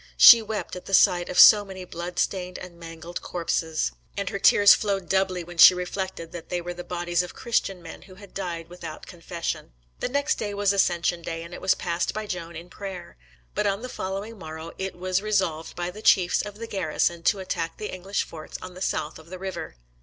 She wept at the sight of so many blood stained and mangled corpses; and her tears flowed doubly when she reflected that they were the bodies of Christian men who had died without confession. The next day was ascension day, and it was passed by Joan in prayer. But on the following morrow it was resolved by the chiefs of the garrison to attack the English forts on the south of the river.